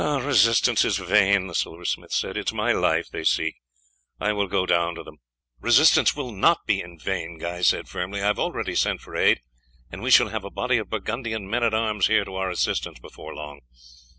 "Resistance is vain," the silversmith said. "It is my life they seek; I will go down to them." "Resistance will not be in vain," Guy said firmly. "I have already sent for aid, and we shall have a body of Burgundian men at arms here to our assistance before long.